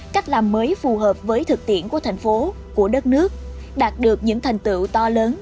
cách làm mới phù hợp với thực tiễn của thành phố của đất nước đạt được những thành tựu to lớn